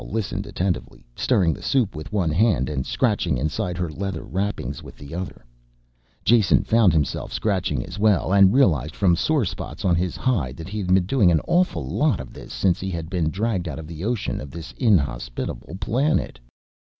Ijale listened attentively, stirring the soup with one hand and scratching inside her leather wrappings with the other. Jason found himself scratching as well, and realized from sore spots on his hide that he had been doing an awful lot of this since he had been dragged out of the ocean of this inhospitable planet.